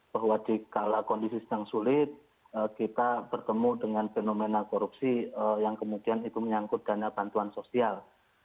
bahwa dikala kondisi sedang sulit kita bertemu dengan fenomena korupsi yang kemudian itu menyangkut dana bantuan sosial